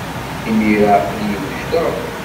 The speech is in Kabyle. Imir-a, aql-iyi wejdeɣ.